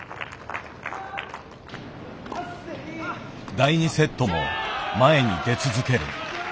第２セットも前に出続ける。